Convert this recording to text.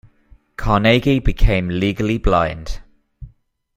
Carnegie became legally blind.